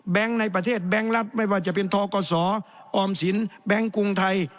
ในประเทศแบงค์รัฐไม่ว่าจะเป็นทกศออมสินแบงค์กรุงไทย